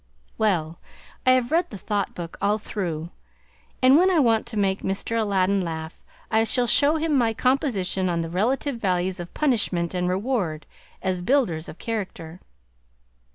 Well, I have read the Thought Book all through, and when I want to make Mr. Aladdin laugh, I shall show him my composition on the relative values of punishment and reward as builders of character.